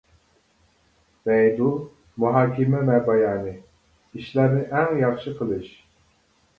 بەيدۇ «مۇھاكىمە ۋە بايانى» : ئىشلارنى ئەڭ ياخشى قىلىش.